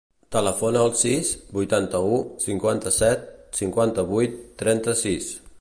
Telefona al sis, vuitanta-u, cinquanta-set, cinquanta-vuit, trenta-sis.